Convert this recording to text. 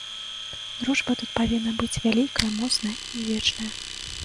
Дружба тут павінна быць вялікая, моцная і вечная.